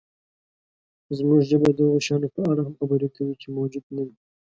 زموږ ژبه د هغو شیانو په اړه هم خبرې کوي، چې موجود نهدي.